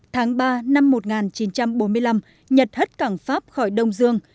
tháng ba năm một nghìn chín trăm bốn mươi năm nhật hất cảng pháp khỏi đông dương